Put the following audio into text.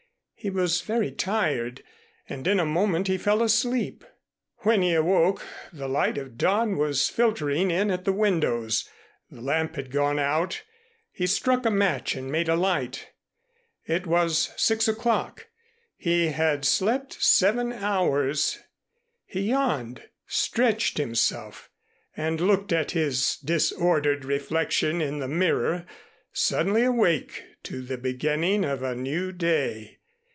He was very tired and in a moment he fell asleep. When he awoke, the light of dawn was filtering in at the windows. The lamp had gone out. He struck a match and made a light. It was six o'clock. He had slept seven hours. He yawned, stretched himself and looked at his disordered reflection in the mirror, suddenly awake to the beginning of a new day.